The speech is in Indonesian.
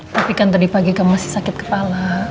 tapi kan tadi pagi kamu masih sakit kepala